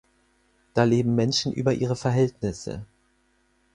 Da leben Menschen über ihre Verhältnisse.